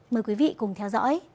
mời quý vị cùng theo dõi